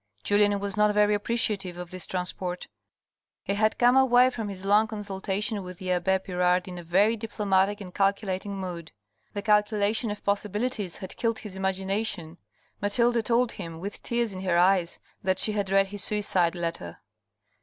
Julien was not very appreciative of this transport. He had come away from his long consultation with the abbe Pirard in a very diplomatic and calculating mood. The calculation of possibilities had killed his imagin ation. Mathilde told him, with tears in her eyes, that she had read his suicide letter.